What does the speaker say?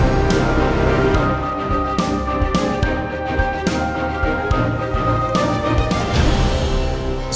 hukuman itu terjadi